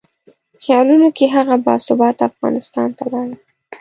خیالونو کې هغه باثباته افغانستان ته لاړم.